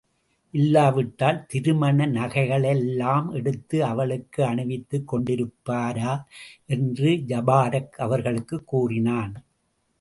இல்லாவிட்டால், திருமண நகைகளெல்லாம் எடுத்து அவளுக்கு அணிவித்துக் கொண்டிருப்பாரா? என்று ஜபாரக் அவர்களுக்குக் கூறினான்.